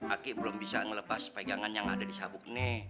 aki belum bisa ngelepas pegangan yang ada di sabuk ini